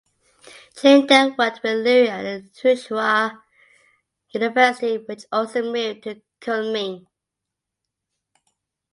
Chiang then worked with Liu at the Tsinghua University which also moved to Kunming.